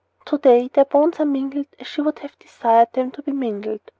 To day their bones are mingled as she would have desired them to be mingled.